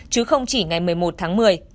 chứ không chỉ ngày một mươi một tháng một mươi